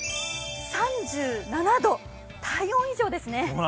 ３７度、体温以上ですね。